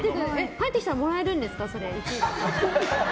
入ってきたらそれ、もらえるんですか？